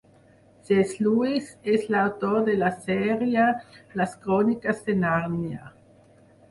C.S. Lewis és l'autor de la sèrie Les cròniques de Nàrnia.